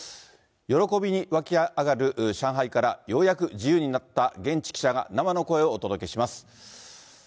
喜びに沸き上がる上海から、ようやく自由になった現地記者が、生の声をお届けします。